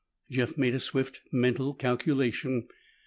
Jeff made a swift mental calculation.